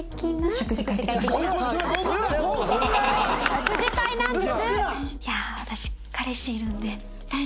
食事会なんです。